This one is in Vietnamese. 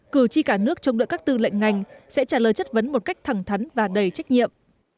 cử tri cả nước trông đợi các tư lệnh ngành sẽ trả lời chất vấn một cách thẳng thắn và đầy trách nhiệm